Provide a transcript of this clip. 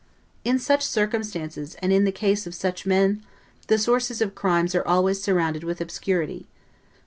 In such circumstances and in the case of such men the sources of crime are always surrounded with obscurity.